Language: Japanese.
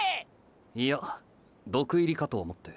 いや毒入りかと思って。